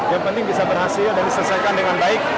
yang penting bisa berhasil dan diselesaikan dengan baik